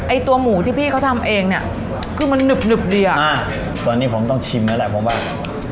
ไอ้ตัวหมูที่พี่เขาทำเองเนี้ยคือมันนึบนึบดีอ่ะมาตอนนี้ผมต้องชิมแล้วแหละผมบ้าง